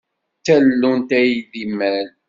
D tallunt ay d imal.